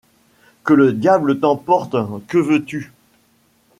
Que le diable t'emporte ! Que veux-tu ?